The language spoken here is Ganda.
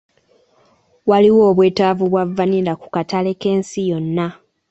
Waliwo obwetaavu bwa vanilla ku katale k'ensi yonna.